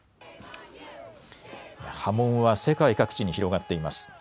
波紋は世界各地に広がっています。